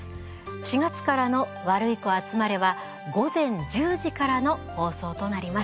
４月からの「ワルイコあつまれ」は午前１０時からの放送となります。